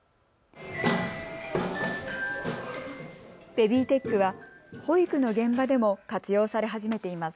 ベビーテックは保育の現場でも活用され始めています。